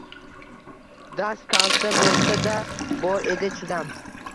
Dast kalta bo‘lsa-da, bor edi chidam